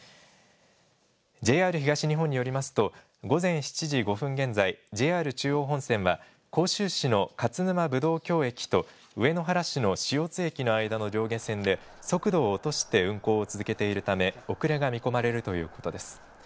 ＪＲ東日本によりますと、午前７時５分現在、ＪＲ中央本線は、甲州市の勝沼ぶどう郷駅と上野原市の四方津駅の間の上下線で、速度を落として運行を続けているため、遅れが見込まれるということです。